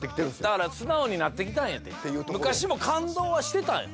だから素直になってきたんやて昔も感動はしてたんよ